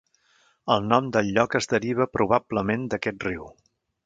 El nom del lloc es deriva probablement d'aquest riu.